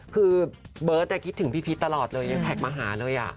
คือเบิร์ตคิดถึงพี่พีชตลอดเลยยังแท็กมาหาเลย